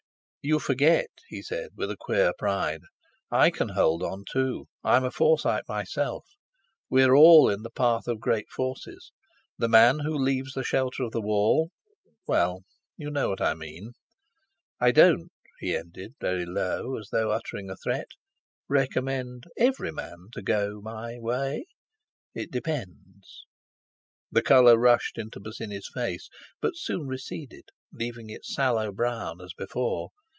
"You forget," he said with a queer pride, "I can hold on, too—I'm a Forsyte myself. We're all in the path of great forces. The man who leaves the shelter of the wall—well—you know what I mean. I don't," he ended very low, as though uttering a threat, "recommend every man to go my way. It depends." The colour rushed into Bosinney's face, but soon receded, leaving it sallow brown as before.